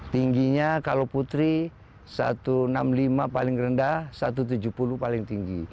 tingginya kalau putri satu ratus enam puluh lima paling rendah satu ratus tujuh puluh paling tinggi